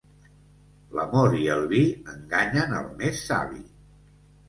L'amor i el vi enganyen el més savi.